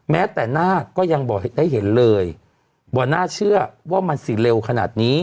แม้แต่หน้าก็ยังบอกได้เห็นเลยว่าน่าเชื่อว่ามันสิเร็วขนาดนี้